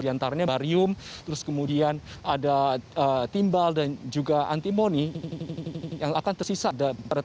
diantaranya barium terus kemudian ada timbal dan juga antimoni yang akan tersisa